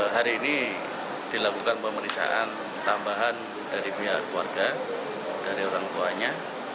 hari ini dilakukan pemeriksaan tambahan dari pihak keluarga dari orang tuanya